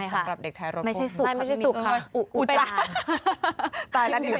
ไม่ค่ะไม่ใช่สุขค่ะ